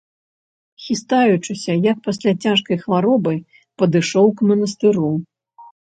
Хістаючыся, як пасля цяжкай хваробы, падышоў к манастыру.